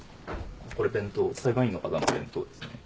これ裁判員の方の弁当ですね。